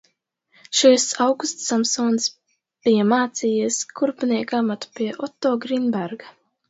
Šis Augusts Samsons bija mācījies kurpnieka amatu pie Oto Grīnberga.